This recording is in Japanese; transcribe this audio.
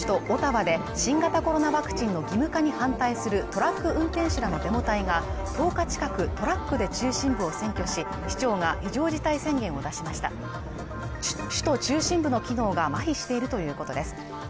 オタワで新型コロナワクチンの義務化に反対するトラック運転手らのデモ隊が１０日近くトラックで中心部を占拠し市長が非常事態宣言を出しました首都中心部の機能がまひしているということです